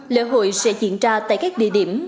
lễ hội sẽ diễn ra tại các địa điểm